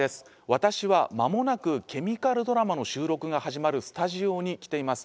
私は間もなくケミカルドラマの収録が始まるスタジオに来ています。